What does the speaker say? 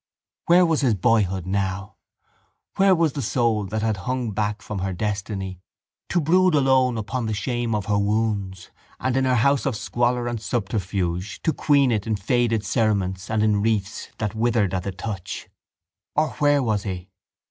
Where was his boyhood now? Where was the soul that had hung back from her destiny, to brood alone upon the shame of her wounds and in her house of squalor and subterfuge to queen it in faded cerements and in wreaths that withered at the touch? Or where was he?